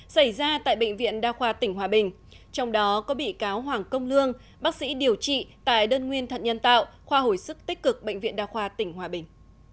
xảy ra tại bệnh viện đa khoa tỉnh hòa bình trong đó có bị cáo hoàng công lương bác sĩ điều trị tại đơn nguyên thận nhân tạo khoa hồi sức tích cực bệnh viện đa khoa tỉnh hòa bình